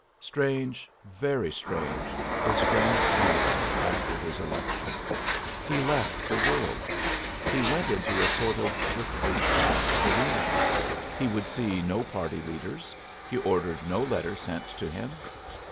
Strange, very strange, is Grant's con duct after his election. He left the world. He went into a sort of retreat at (Jalena. He would see no party 1 leaders. He ordered no letter sent to i him.